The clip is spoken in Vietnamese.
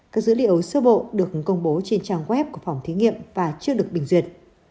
các dữ liệu sơ bộ được công bố trên trang web của phòng thí nghiệm và chưa được bình duyệt